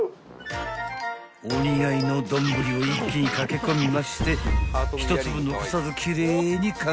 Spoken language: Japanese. ［お似合いの丼を一気にかき込みまして一粒残さず奇麗に］